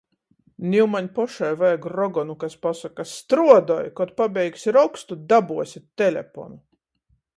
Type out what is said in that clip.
Niu maņ pošai vajag rogonu, kas pasoka: "Struodoj! Kod pabeigsi rokstu, dabuosi teleponu!"